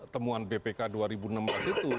temuan bpk dua ribu enam belas itu